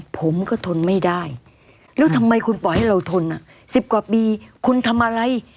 ผมก็ทนไม่ได้แล้วทำไมคุณปล่อยให้เราทน๑๐กว่าปีคุณทำอะไร